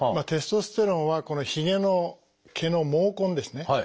テストステロンはこのひげの毛の毛根ですね